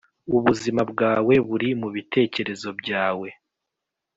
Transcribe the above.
ubuzima bwawe buri mubitekerezo byawe.